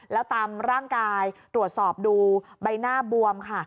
แล้วตามร่างกายตรวจสอบดูใบหน้าบวมค่ะ